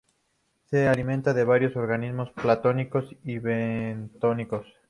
Se alimenta de variados organismos planctónicos y bentónicos.